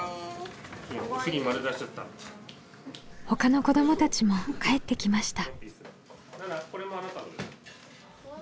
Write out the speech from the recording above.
ほかの子どもたちも帰ってきました。